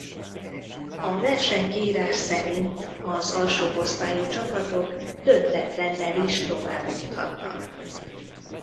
A versenykiírás szerint az alsóbb osztályú csapatok döntetlennel is tovább juthatnak.